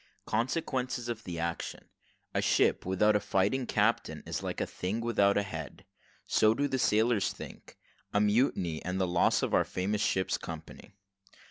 CONSEQUENCES OF THE ACTION A SHIP WITHOUT A FIGHTING CAPTAIN IS LIKE A THING WITHOUT A HEAD SO DO THE SAILORS THINK A MUTINY, AND THE LOSS OF OUR FAMOUS SHIP'S COMPANY.